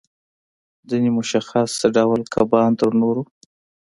ځینې مشخص ډول کبان تر نورو